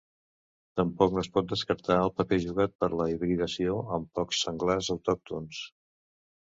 Tampoc no es pot descartar el paper jugat per la hibridació amb porcs senglars autòctons.